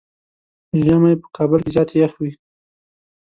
ژمی په کابل کې زيات يخ وي.